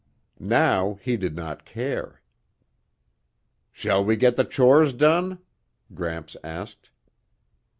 Now he did not care. "Shall we get the chores done?" Gramps asked.